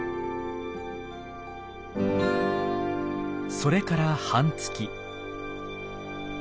それから半月。